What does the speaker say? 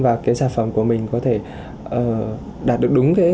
và cái sản phẩm của mình có thể đạt được đúng cái